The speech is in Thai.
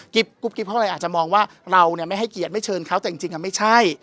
กุ๊กกิ๊บเขาก็เลยอาจจะมองว่าเราไม่ให้เกียรติไม่เชิญเขาแต่จริงไม่ใช่